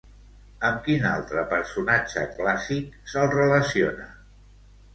Amb quin altre personatge clàssic se'l relaciona?